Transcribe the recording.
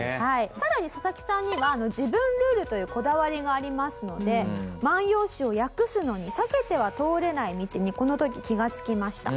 さらにササキさんには自分ルールというこだわりがありますので『万葉集』を訳すのに避けては通れない道にこの時気がつきました。